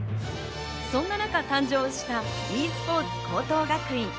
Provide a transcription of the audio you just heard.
そんな中、誕生したｅスポーツ高等学院。